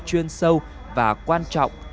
chuyên sâu và quan trọng